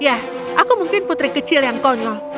ya aku mungkin putri kecil yang konyol